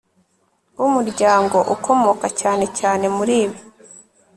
w umuryango ukomoka cyane cyane muri ibi